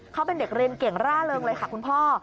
เขาเป็นเด็กเรียนเก่งร่าเริงเลยค่ะคุณพ่อ